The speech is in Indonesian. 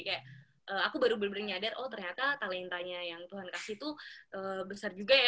kayak aku baru bener bener nyadar oh ternyata talentanya yang tuhan kasih tuh besar juga ya